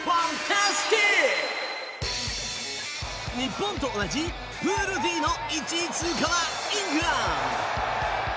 日本と同じプールＤの１位通過はイングランド。